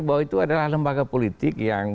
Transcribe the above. bahwa itu adalah lembaga politik yang